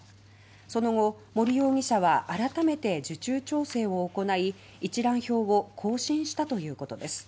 その後、森容疑者は改めて受注調整を行い一覧表を更新したということです。